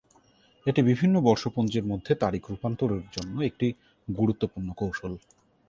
এটি বিভিন্ন বর্ষপঞ্জীর মধ্যে তারিখ রূপান্তরের জন্য একটি গুরুত্বপূর্ণ কৌশল।